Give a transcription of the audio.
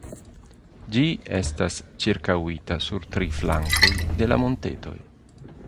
Ĝi estas ĉirkaŭita sur tri flankoj de la montetoj.